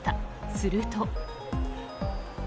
すると。